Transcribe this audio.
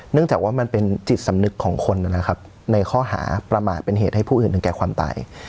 จากว่ามันเป็นจิตสำนึกของคนนะครับในข้อหาประมาทเป็นเหตุให้ผู้อื่นถึงแก่ความตาย